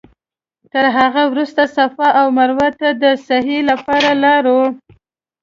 تر هغه وروسته صفا او مروه ته د سعې لپاره لاړو.